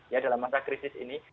ya dalam masa krisis ini